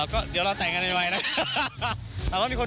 อะก็เดี๋ยวเราแต่งกันไงไว